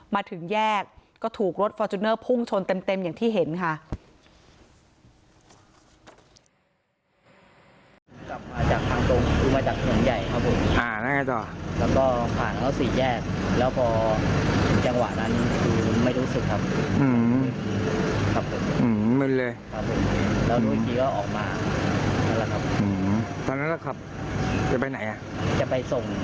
มาถึงแยกก็ถูกรถฟอร์จูเนอร์พุ่งชนเต็มอย่างที่เห็นค่ะ